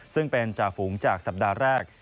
ซึ่งเป็นจ่าฝูงจากสัปดาห์แรก